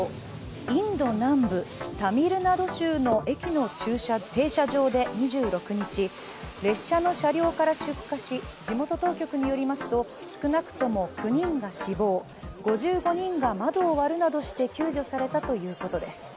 インド南部タミルナド州の駅の停車場で２６日、列車の車両から出火し、地元当局によりますと少なくとも９人が死亡、５５人が窓を割るなどして救助されたということです。